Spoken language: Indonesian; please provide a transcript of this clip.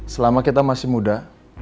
selama kita masih muda